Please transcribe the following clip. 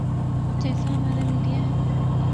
جیسا ہمارا میڈیا ہے۔